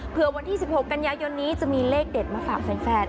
เพื่อวันที่๑๖กันยายนนี้จะมีเลขเด็ดมาฝากแฟน